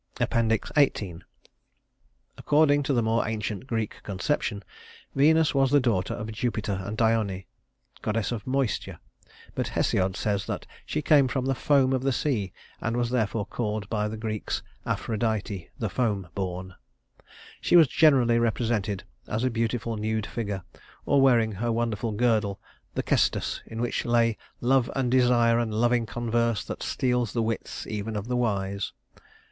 XVIII According to the more ancient Greek conception, Venus was the daughter of Jupiter and Dione, goddess of moisture; but Hesiod says that she came from the foam of the sea, and was therefore called by the Greeks Aphrodite the foam born. She was generally represented as a beautiful nude figure, or wearing her wonderful girdle, the Cestus in which lay "love and desire and loving converse that steals the wits even of the wise."